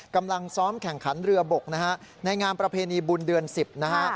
กำลังซ้อมแข่งขันเรือบกนะฮะในงานประเพณีบุญเดือน๑๐นะฮะ